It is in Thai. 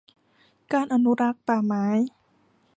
การอนุรักษ์ป่าไม้